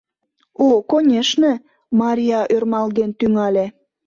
— О, конешне, — Мария ӧрмалген тӱҥале.